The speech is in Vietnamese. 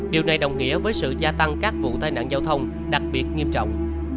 điều này đồng nghĩa với sự gia tăng các vụ tai nạn giao thông đặc biệt nghiêm trọng